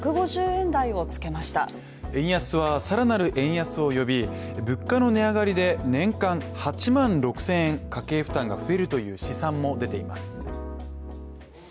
円安は更なる円安を呼び、物価の値上がりで年間８万６０００円、家計負担が増えるという試算も出ています。